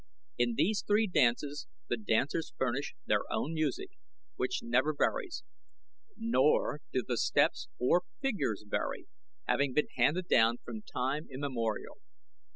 In these three dances the dancers furnish their own music, which never varies; nor do the steps or figures vary, having been handed down from time immemorial.